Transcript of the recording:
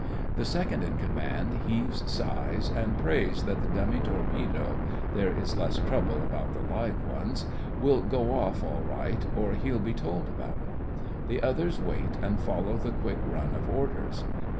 The second in command heaves sighs, and prays that the dummy torpedo (there is less trouble about the live ones) will go off all right, or he'll be told about it. The others wait and follow the quick run of orders.